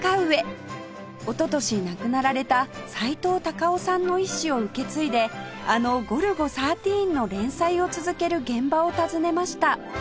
おととし亡くなられたさいとう・たかをさんの遺志を受け継いであの『ゴルゴ１３』の連載を続ける現場を訪ねました